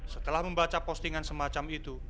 setelah membaca postingan semacam itu